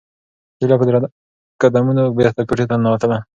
هیله په درنو قدمونو بېرته کوټې ته ننووتله.